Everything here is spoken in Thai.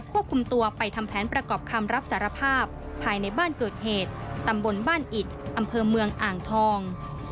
ควบคุมตัวไปทำแผนประกอบคำรับสารภาพภายในบ้านเกิดเหตุตำบลบ้านอิดอำเภอเมืองอ่างทอง